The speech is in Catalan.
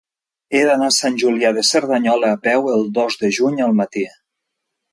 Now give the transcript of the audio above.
He d'anar a Sant Julià de Cerdanyola a peu el dos de juny al matí.